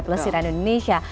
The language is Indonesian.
plus di indonesia